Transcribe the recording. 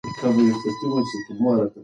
دا کلتور زموږ په رګونو کې دی.